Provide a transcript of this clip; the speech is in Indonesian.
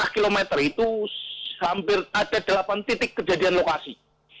lima km itu hampir ada delapan titik kejadian lokasi